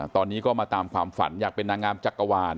ตอนนี้ก็มาตามความฝันอยากเป็นนางงามจักรวาล